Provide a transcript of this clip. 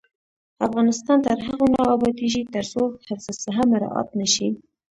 افغانستان تر هغو نه ابادیږي، ترڅو حفظ الصحه مراعت نشي.